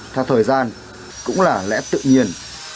tha thời gian cũng là lẽ tự nhiên